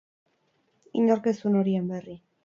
Inork ez zuen horien berri.